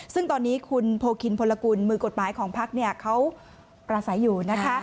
ซึ่งตอนนี้คุณโพคินพลกุลมือกฎหมายของพักเขาปราศัยอยู่นะคะ